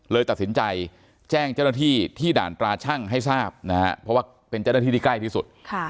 ตัดสินใจแจ้งเจ้าหน้าที่ที่ด่านตราชั่งให้ทราบนะฮะเพราะว่าเป็นเจ้าหน้าที่ที่ใกล้ที่สุด